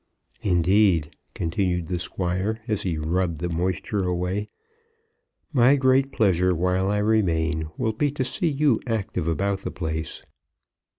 "Indeed," continued the Squire, as he rubbed the moisture away, "my great pleasure, while I remain, will be to see you active about the place.